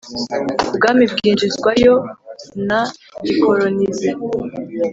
ubwami bwinjizwayo na gikolonize